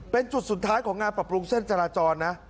เป็นจุดสุดท้ายของงานปรับปรุงเส้นจราจรนะ